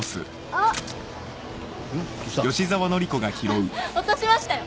あっ落としましたよ